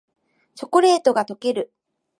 チョコレートがとける